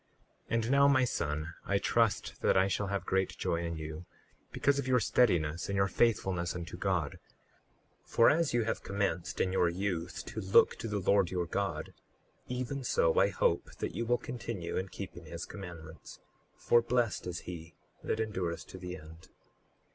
38:2 And now, my son, I trust that I shall have great joy in you, because of your steadiness and your faithfulness unto God; for as you have commenced in your youth to look to the Lord your God, even so I hope that you will continue in keeping his commandments; for blessed is he that endureth to the end.